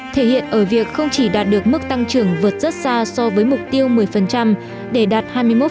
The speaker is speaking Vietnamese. thể hiện ở việc không chỉ đạt được mức tăng trưởng vượt rất xa so với mục tiêu một mươi để đạt hai mươi một